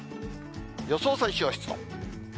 予想最小湿度。